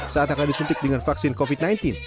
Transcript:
saat akan disuntik dengan vaksin covid sembilan belas